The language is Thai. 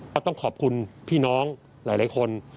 ก็ต้องขอบคุณพี่น้องหลายคน